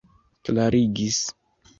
klarigis